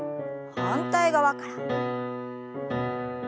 反対側から。